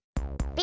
Ｂ！